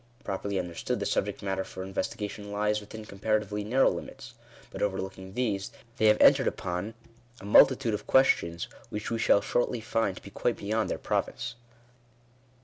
Pro perly understood the subject matter for investigation lies within comparatively narrow limits ; but, overlooking these, they have entered upon a multitude of questions which we shall shortly find to be quite beyond their province.